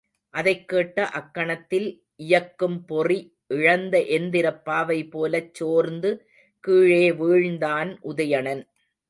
அதைக் கேட்ட அக்கணத்தில் இயக்கும் பொறி இழந்த எந்திரப் பாவை போலச் சோர்ந்து கீழே வீழ்ந்தான் உதயணன்.